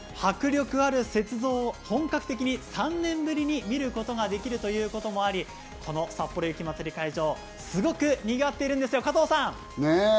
迫力ある雪像を本格的に３年ぶりに見ることができるということもあり、さっぽろ雪まつり会場、すごくにぎわっているんです、加藤さん。